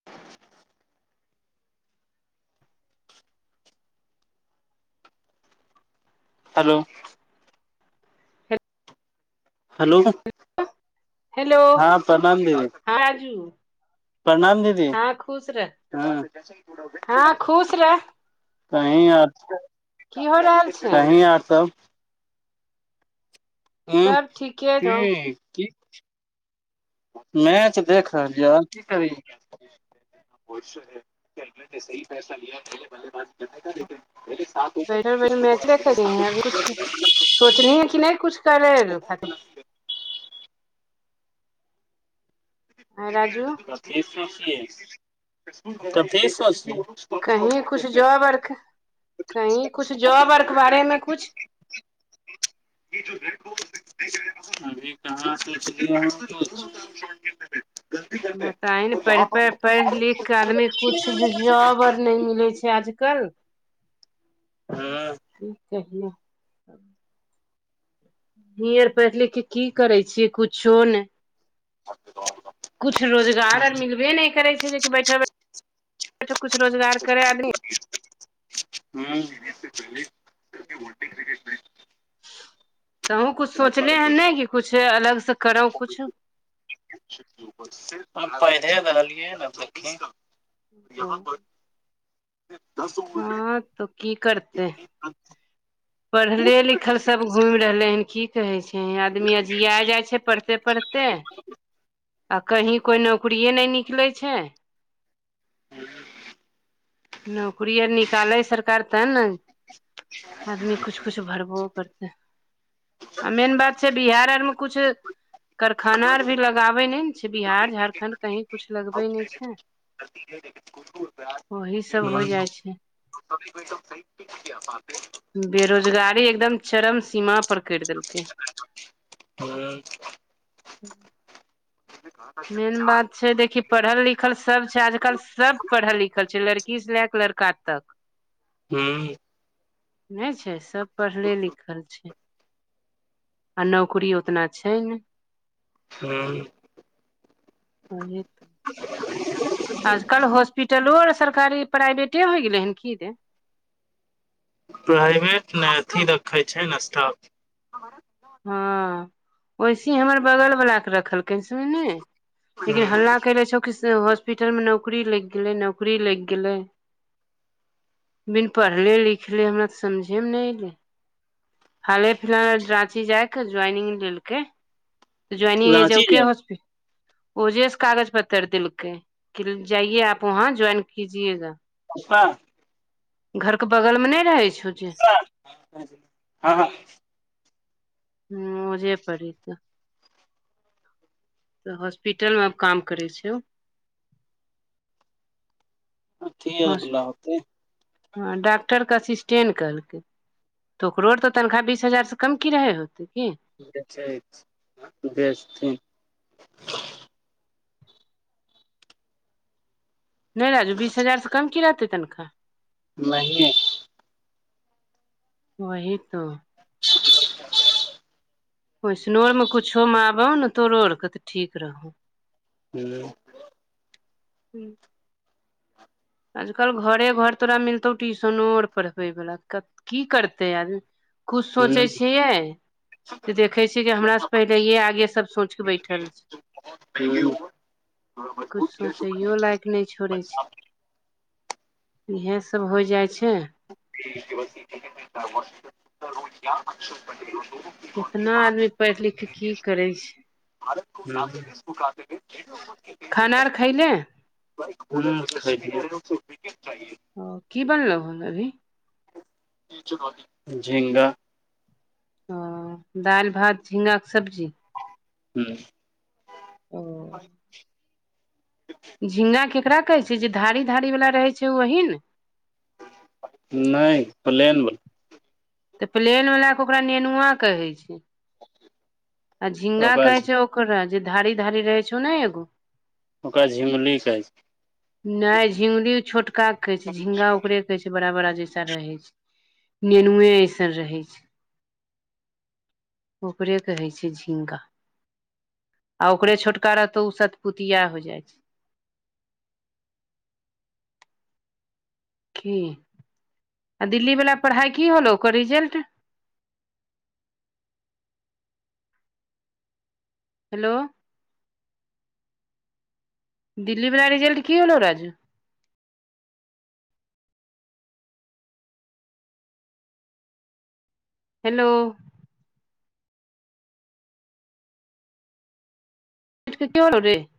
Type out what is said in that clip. [inaudible] Hello hello hello हँ प्रणाम दीदी हँ राजू प्रणाम दीदी हँ खुश रह हँ खुश रह [inaudible] कही यर की हो रहल छै कही यर सब आँ सब ठीके छौ ह की मैच देख रहलिय की करी [inaudible] बैठर बै मैच र खे जे है अभी कुछ सोचनी है कि नय कुछ करे ह खाली आय राजू [inaudible] कथी सो छै कथी स छै कही कुछ जॉब आरके कहीं कुछ जॉब आर के बारे मे कुछ [inaudible] [inaudible] अभी कहाँ स बताइ ने पढ़ पढ़ लिख के आदमी कछ जॉब आर नय मिलै छै आज कल कि कहियै ही आर पढ़ लिख के की करे छियै कुछो नय कुछ रोजगार आर मिलबे नहि करे छै जेकि बैठै कछु रोजगार करे आ ह [unintelligible] तह कुछ सोचले है ने कऽ कुछ अलग से करो कुछ हम पैधे रहलियै देखी ह ह तऽ कि करते अच्छा। पढ़ले लिखल सभ घुमि रहले हन कि कहे छै कही आदमी आ जिया जाई छै पढ़ते पढ़ते आ कही कोई नोके नहि निकले छै नौकरी आर निकालै सरकार ते न आदमी कुछु कुछु भरबो करतै आ मेन बात छै बिहार आर मे किुछु कारखाना आर भी लगाबे नहि ने छै बिहार झारखण्ड कह कुछु लगबे नहि छै वही सभ होई जाई छै सट [unintelligible] बेरोजगारी एकदम। चरम सीमा पर करटि देलके हू। मेन बात। छै देखिय पढ़ल लिखल सभ छै आजकल सभ पढ़ल लिखल छै लड़की से लए कऽ लड़का तक [unintelligible] हूँ नहि छै सभ पढ़ले लिखल छै। आ नौकरी ओतना छै न हू आने तऽ आजकल हॉस्पिटलो आर सरकारी प्राइवेटे होई गेलै हन कि दे प्राइवेट ने अथी रखै छै ने स्टा ह वसे हमर बगल भऽला के रखलकिन सुनने ह लेकिन हल्ला कले छौ कि हॉस्पिटल मे नौकरी लागि गेलै नौकरी लागि गेलै बिन पढ़ले लिखले हमरा तऽ समझे मे नहि एऐले हाले फिलहाल राची जायके ज्वॉइनिंग लेकै तऽ ज्वइनिंग राँची जे जकेॉस्पि ओजे से कागज पत्तर देलकै जाइए आप वहाँ ज्वाइन कीजएगा पापा घर के बगल मे नहि रहै छौ जे ह ह ह जे पड़ी तऽ तऽ हॉस्पिटल मे काम करे छै ठीक ह तऽ भुला हफ्ते ह डॉक्टरके असिस्टेट कहलकै तऽ ओकरो आर तऽ तनखा बीस हजारसँ कम कि रहै होतै कि बेचै बेचथिन। नहि राजू बीस हजारसँ कम कि रहतै तनिका [unintelligible] [unintelligible] [unintelligible] वैसनो आर मे कुछो मे आबहो न तोरो आरके तऽ ठीक रहौ [unintelligible] [unintelligible] आजकल घरे घर तोरा मिलतौ ट्यूशनो आर पढ़बैवला की करतै आदमी किछु ह सोचैय छियै देखे छियै कि हमरा से पहिलेे आगे सब सोच कऽ बैठल छै [inaudible] किछ सोचैयो लायक नै छोड़ै छै इहै सब हो जाइ छै [unintelligible] कितना आदमी पढ़ि लिख कऽ की करै छै खाना आर [unintelligible] खैले [unintelligible] ओ कि बनलौ अभी [unintelligible] झिंगा ओ दाइल भात झिंगाक केँ सब्जी [unintelligible] ओ झिंगा केकरा कहै छै जे धारी धारी वला रहै छै ओ वही न नै प्लेन बला तऽ प्लेन वला कऽ ओकरा नेनुआ कहै छै [unintelligible] आ झिंगा ओकरा कहै छै ओकर जे धारी धारी रहै छै ओ न एगो ओकरा झिंगुली कहै छै [inaudible] नै झिगुरी छोटका कहै छै झिंगा ओकरे कहै छै बड़ा बड़ा जैसा रहै छै नेनुए ऐसन रहै छै [inaudible] ओकरे कहे छै झिंगा [inaudible] आ ओकरे छोटका रहतौ सतपुतिया हो जाइ छै की आ दिल्ली वला पढ़ाइ की होलो ओकर रिजल्ट हेलो दिल्ली वला रिजल्ट की होलौ राजू हेलो [unintelligible]